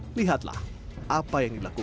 kali ini kali menempatkan sampah di kali